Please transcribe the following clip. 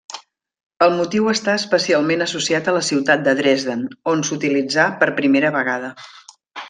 El motiu està especialment associat a la ciutat de Dresden, on s'utilitzà per primera vegada.